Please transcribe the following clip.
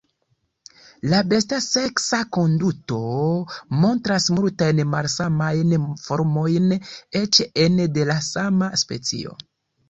La besta seksa konduto montras multajn malsamajn formojn, eĉ ene de la sama specio.